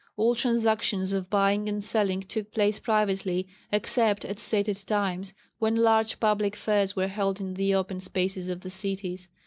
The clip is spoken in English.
All transactions of buying and selling took place privately, except at stated times, when large public fairs were held in the open spaces of the cities.